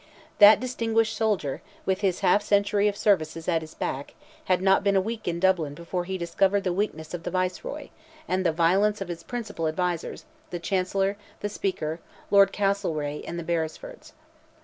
That distinguished soldier, with his half century of services at his back, had not been a week in Dublin before he discovered the weakness of the Viceroy, and the violence of his principal advisers, the Chancellor, the Speaker, Lord Castlereagh and the Beresfords.